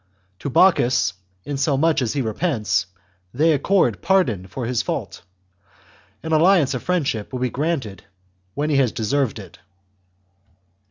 To Bocchus, inasmuch as he repents, they accord pardon for his fault ; an alliance of friendship will be granted when he has deserved it."